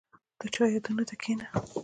• د چا یادونو ته کښېنه.